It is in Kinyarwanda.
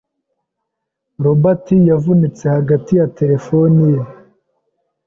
Robert yavunitse hagati ya terefone ye.